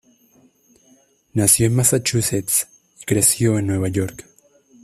Nació en Massachusetts y creció en Nueva York.